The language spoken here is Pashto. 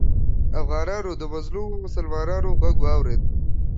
افغانانو د مظلومو مسلمانانو غږ واورېد.